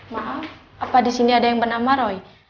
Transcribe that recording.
maaf apa di sini ada yang bernama roy